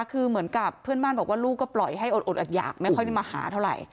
คือเหมือนกับเพื่อนบ้านบอกว่าลูกก็ปล่อยให้อดหยากไม่ค่อยได้มาหาเท่าไหร่